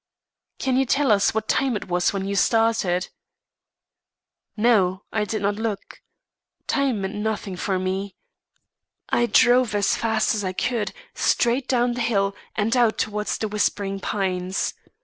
"Can you tell us what time it was when you started?" "No. I did not look. Time meant nothing to me. I drove as fast as I could, straight down the hill, and out towards The Whispering Pines.